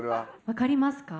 分かりますか？